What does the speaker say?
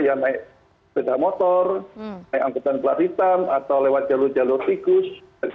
naik bedah motor naik angkutan kelas hitam atau lewat jalur jalur tikus